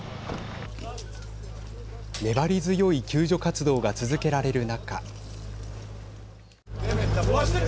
粘り強い救助活動が続けられる中。